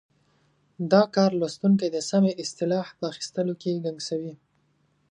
دا کار لوستونکی د سمې اصطلاح په اخیستلو کې ګنګسوي.